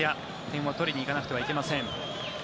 点を取りに行かなくてはいけません。